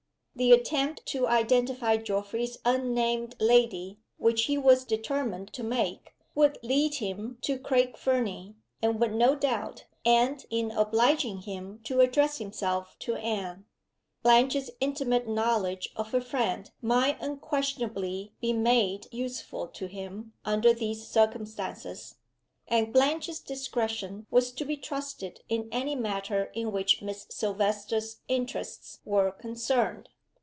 The attempt to identify Geoffrey's unnamed "lady," which he was determined to make, would lead him to Craig Fernie, and would no doubt end in obliging him to address himself to Anne. Blanche's intimate knowledge of her friend might unquestionably be made useful to him under these circumstances; and Blanche's discretion was to be trusted in any matter in which Miss Silvester's interests were concerned.